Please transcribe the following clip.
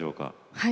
はい。